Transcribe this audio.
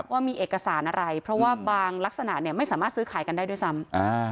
ว่ามีเอกสารอะไรเพราะว่าบางลักษณะเนี่ยไม่สามารถซื้อขายกันได้ด้วยซ้ำ